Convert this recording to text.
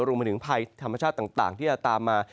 รวมไปถึงภัยธรรมชาติต่างที่จะตามมา